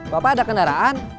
bapak ada kendaraan